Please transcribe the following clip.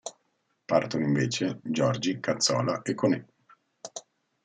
Partono invece Giorgi, Cazzola e Koné.